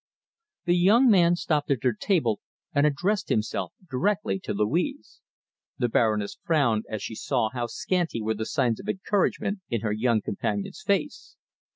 The young man stopped at their table and addressed himself directly to Louise. The Baroness frowned as she saw how scanty were the signs of encouragement in her young companion's face.